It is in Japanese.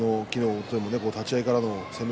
昨日立ち合いからの攻め